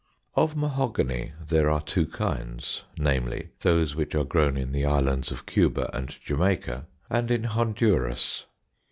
Of mahogany there are two kinds, viz. those which are grown in the islands of Cuba and Jamaica, and in Honduras.